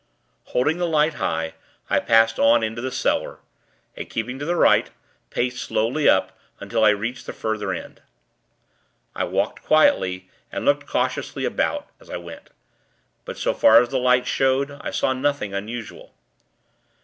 Holding the light high, I passed on into the cellar, and, keeping to the right, paced slowly up, until I reached the further end. I walked quietly, and looked cautiously about, as I went. But, so far as the light showed, I saw nothing unusual.